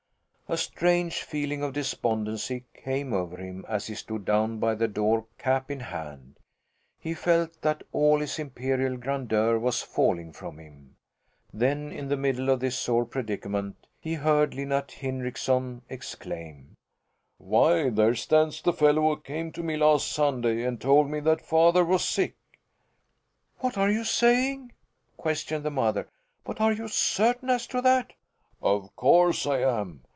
A strange feeling of despondency came over him as he stood down by the door, cap in hand; he felt that all his imperial grandeur was falling from him. Then, in the middle of this sore predicament, he heard Linnart Hindrickson exclaim: "Why, there stands the fellow who came to me last Sunday and told me that father was sick!" "What are you saying?" questioned the mother. "But are you certain as to that?" "Of course I am.